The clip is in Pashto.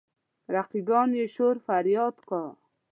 رقیبان يې شور فرياد کا.